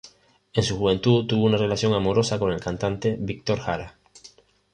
En su juventud tuvo una relación amorosa con el cantante Víctor Jara.